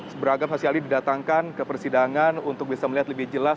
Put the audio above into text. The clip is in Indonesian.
seberagam saksi ahli didatangkan ke persidangan untuk bisa melihat lebih jelas